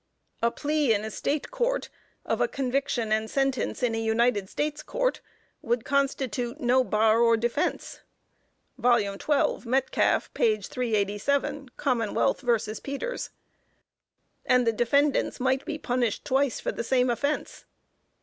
A plea in a State Court, of a conviction and sentence, in a United States Court would constitute no bar or defense, (12 Metcalf, 387, Commonwealth v. Peters,) and the defendants might be punished twice for the same offense.